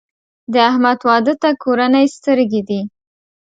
د احمد واده ته کورنۍ سترګې دي.